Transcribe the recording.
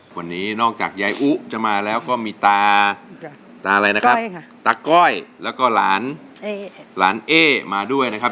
วันนี้นอกจากยายอุจะมาแล้วก็มีตาตาก้อยแล้วก็หลานเอมาด้วยนะครับ